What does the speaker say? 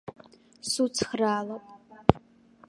Суцхраалап.